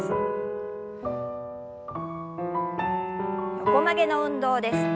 横曲げの運動です。